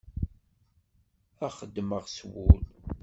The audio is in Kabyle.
A xeddmeɣ s wul.